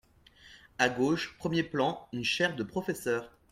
A gauche premier plan, une chaire de professeur.